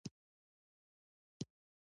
د ختیځې او لوېدیځې اروپا ترمنځ ډېر ژور و.